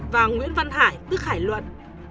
và nguyễn văn xin